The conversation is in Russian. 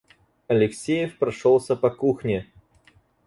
Алексеев прошёлся по кухне.